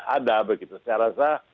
ada begitu saya rasa